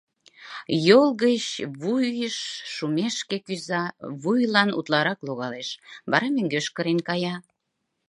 Йол гыч вуйыш шумешке кӱза, вуйлан утларак логалеш; вара мӧҥгеш кырен кая...